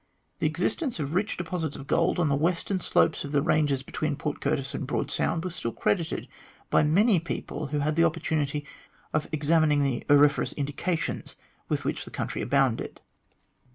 The existence of rich deposits of gold on the western slopes of the ranges between Port Curtis and Broad Sound was still credited by many people who had had the opportunity of examining the auriferous indications with which the country abounded.